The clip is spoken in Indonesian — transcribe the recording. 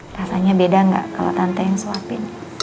rasanya beda nggak kalau tante yang suapin